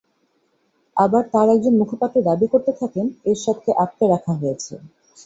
আবার তাঁর একজন মুখপাত্র দাবি করতে থাকেন, এরশাদকে আটকে রাখা হয়েছে।